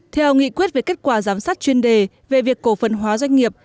theo nghị quyết về kết quả giám sát chuyên đề về việc cổ phần hóa doanh nghiệp